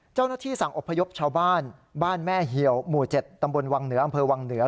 เจ้าหน้าที่สั่งอบพยพชาวบ้านบ้านแม่เหี่ยวหมู่๗ตำบลวังเหนืออำเภอวังเหนือ